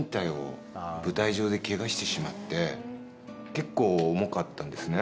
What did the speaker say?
結構、重かったんですね。